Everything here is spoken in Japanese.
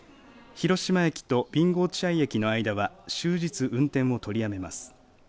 広島駅と備後落合駅の間は終日、運転を取りやめます。